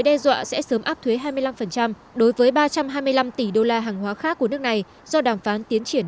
đe dọa sẽ sớm áp thuế hai mươi năm đối với ba trăm hai mươi năm tỷ đô la hàng hóa khác của nước này do đàm phán tiến triển